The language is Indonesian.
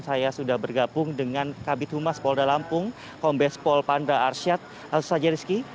saya sudah bergabung dengan kabit humas polda lampung kombes polpanda arsyad lusaja rizky